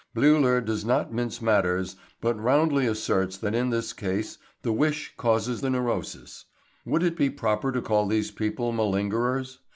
Bleuler does not mince matters but roundly asserts that in this case the wish caused the neurosis. Would it be proper to call these people malingerers?